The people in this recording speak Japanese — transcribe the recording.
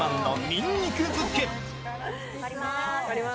割ります。